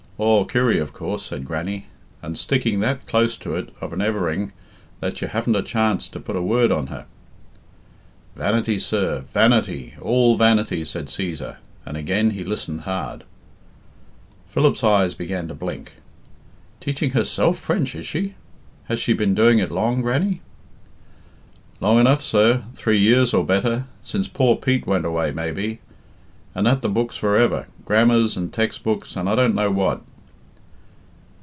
"Aw, Kirry, of coorse," said Grannie, "and sticking that close to it of an everin that you haven't a chance to put a word on her." "Vanity, sir, vanity, all vanity," said Cæsar; and again he listened hard. Philip's eyes began to blink. "Teaching herself French, is she? Has she been doing it long, Grannie?" "Long enough, sir, three years or better, since poor Pete went away maybe; and at the books for ever, grammars and tex' books, and I don't know what."